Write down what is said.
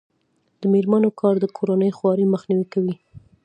د میرمنو کار د کورنۍ خوارۍ مخنیوی کوي.